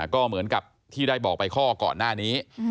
ก็เหมือนกับที่ได้บอกไปข้อก่อนหน้านี้